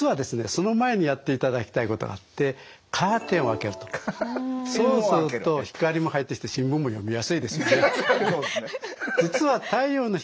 その前にやっていただきたいことがあってそうすると光も入ってきて新聞も読みやすいですよね。